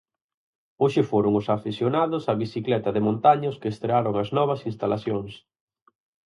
Hoxe foron os afeccionados á bicicleta de montaña os que estrearon as novas instalacións.